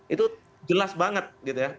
itu jelas banget gitu ya